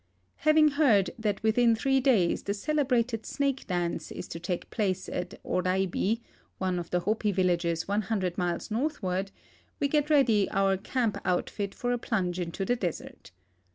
Having heard that within three days the celebrated snake dance is to take place at Oraibi, one of the Hopi villages 100 miles northward, we get ready our camp outfit for a plunge into the desert.